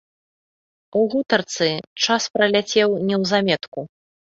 У гутарцы час праляцеў неўзаметку.